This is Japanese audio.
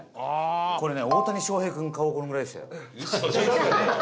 これね、大谷翔平君顔、このぐらいでしたよ。